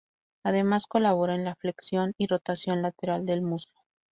Además colabora en la flexión y rotación lateral del muslo.